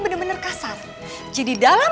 benar benar kasar jadi dalam